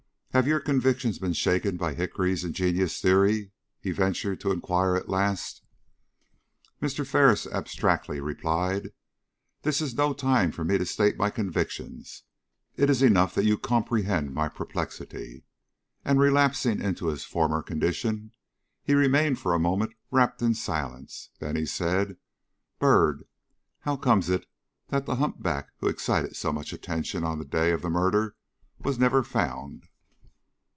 "Have your convictions been shaken by Hickory's ingenious theory?" he ventured to inquire at last. Mr. Ferris abstractedly replied: "This is no time for me to state my convictions. It is enough that you comprehend my perplexity." And, relapsing into his former condition, he remained for a moment wrapped in silence, then he said: "Byrd, how comes it that the humpback who excited so much attention on the day of the murder was never found?"